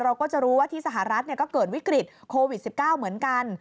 เราก็จะรู้ว่าที่สหรัฐก็เกิดวิกฤตโควิด๑๙เหมือนกัน